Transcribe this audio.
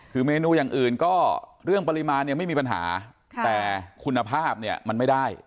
คือเมนูอย่างอื่นก็เรื่องปริมาณเนี่ยไม่มีปัญหาแต่คุณภาพเนี่ยมันไม่ได้